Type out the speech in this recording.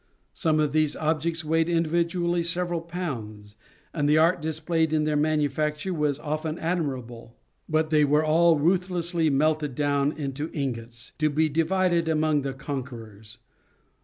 Some of these objects weighed individually several pounds; and the art displayed in their manufacture was often admirable. But they were all ruthlessly melted down into ingots, to be divided among the conquerors.